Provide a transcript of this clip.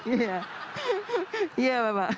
iya iya bapak